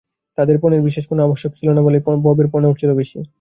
তাদের পণের বিশেষ কোনো আবশ্যক ছিল না বলেই বরের পণও ছিল বেশি।